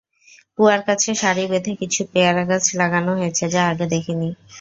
কুয়ার কাছে সারি বেঁধে কিছু পেয়ারা গাছ লাগান হয়েছে, যা আগে দেখি নি।